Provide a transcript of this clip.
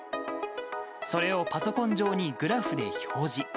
それをパソコン上にグラフで表示。